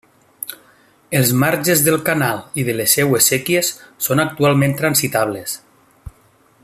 Els marges del canal i de les seves séquies són actualment transitables.